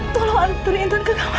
tolong anturi intan ke kamar mak